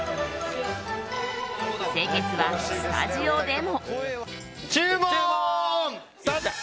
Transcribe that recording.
先月はスタジオでも。